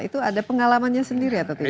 itu ada pengalamannya sendiri atau tidak